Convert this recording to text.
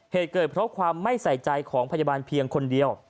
เหตุเกิดเพราะความไม่ใส่ใจของพยาบาลเพียงคนเดียว